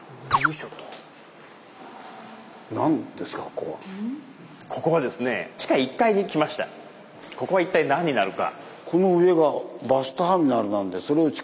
ここは一体何になるか。